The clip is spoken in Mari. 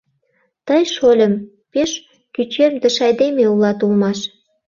Тый, шольым, пеш кӱчемдыш айдеме улат улмаш.